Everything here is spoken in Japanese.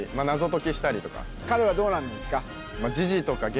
彼はどうなんですか？